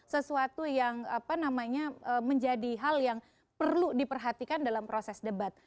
sesuatu yang menjadi hal yang perlu diperhatikan dalam proses debat